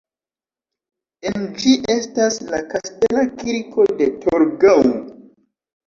En ĝi estas la Kastela kirko de Torgau.